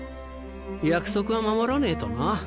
約束は守らねえとな。